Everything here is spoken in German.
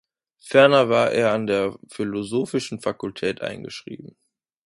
Ferner war er an der Philosophischen Fakultät eingeschrieben.